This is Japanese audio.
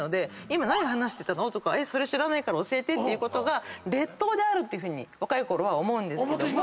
「今何話してたの？」とか「知らないから教えて」ってことが劣等であるって若いころは思うんですけども。